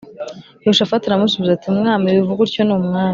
Yehoshafati aramusubiza ati Mwami wivuga utyo numwami